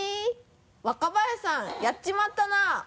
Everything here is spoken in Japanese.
若林さんやっちまったな！